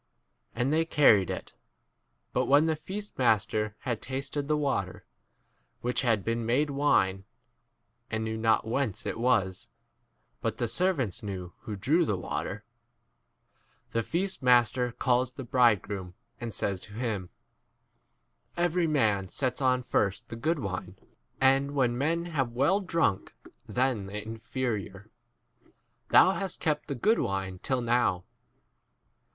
And they carried [it], 9 But when the feast master had tasted the water which had been made wine (and knew not whence it was,s but the servants knew who drew the water), the feast 10 master calls the bridegroom, and says to him, Every man sets on first the good wine, and when men have well drunk, then the inferior ; thou * hast kept the good wine till 11 now.